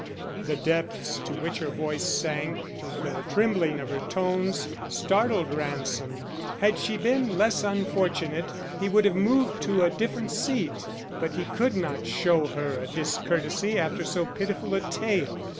The depths to which her voice sank, the trembling of her tones, startled Ransom. Had she been less unfortunate, he would have moved to a different seat, but he could not show her a discourtesy after so pitiful a tale.